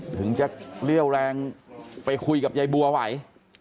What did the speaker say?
ถึงจะเลี่ยวแรงไปคุยกับยายบัวไหว